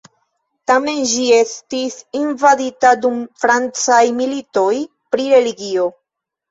Ĝi tamen estis invadita dum francaj militoj pri religio.